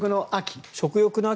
食欲の秋。